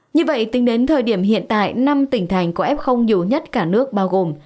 như vậy tính đến thời điểm hiện tại năm tỉnh thành có f nhiều nhất cả nước bao gồm